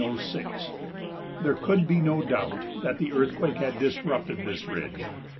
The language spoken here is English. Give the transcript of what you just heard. There could be no doubt that the earthquake had disrupted this ridge.